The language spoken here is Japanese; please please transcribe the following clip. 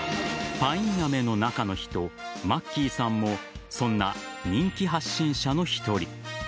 パインアメの中の人マッキーさんもそんな人気発信者の１人。